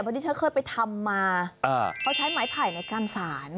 เพราะที่ฉันเคยไปทำมาเขาใช้ไม้ไผ่ในการสาร